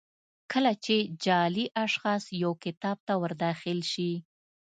کله چې جعلي اشخاص یو کتاب ته ور داخل شي.